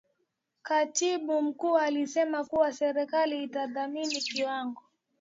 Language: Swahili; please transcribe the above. Katibu Mkuu alisema kuwa serikali inatathmini kiwango